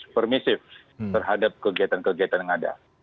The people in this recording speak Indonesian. permisif terhadap kegiatan kegiatan yang ada